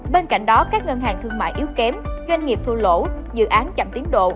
bên cạnh đó các ngân hàng thương mại yếu kém doanh nghiệp thu lỗ dự án chậm tiến độ